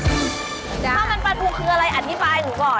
ข้าวมันปลาทูคืออะไรอธิบายหนูก่อน